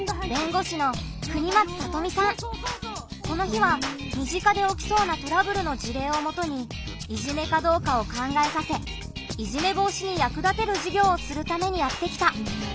この日は身近でおきそうなトラブルの事例をもとにいじめかどうかを考えさせいじめ防止にやく立てる授業をするためにやって来た。